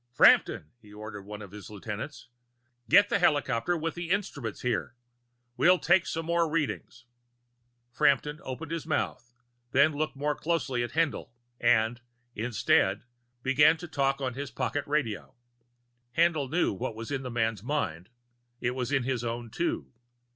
"Frampton!" he ordered one of his lieutenants. "Get the helicopter with the instruments here. We'll take some more readings." Frampton opened his mouth, then looked more closely at Haendl and, instead, began to talk on his pocket radio. Haendl knew what was in the man's mind it was in his own, too.